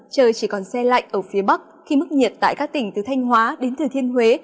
trời chỉ còn xe lạnh ở phía bắc khi mức nhiệt tại các tỉnh từ thanh hóa đến thừa thiên huế